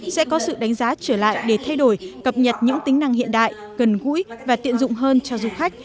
sẽ có sự đánh giá trở lại để thay đổi cập nhật những tính năng hiện đại gần gũi và tiện dụng hơn cho du khách